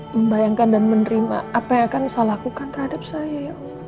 membayangkan dan menerima apa yang akan saya lakukan terhadap saya